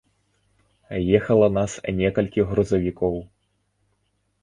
Ехала нас некалькі грузавікоў.